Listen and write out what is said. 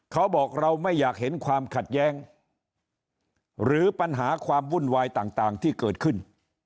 เขาบอกเราไม่อยากเห็นความขัดแย้งหรือปัญหาความวุ่นวายต่างที่เกิดขึ้น